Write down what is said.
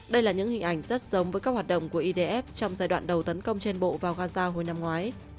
đây là những hình ảnh rất giống với các hoạt động của idf trong giai đoạn đầu tấn công trên bộ vào gaza hồi năm ngoái